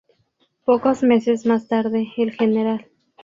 Pocos meses más tarde, el Gral.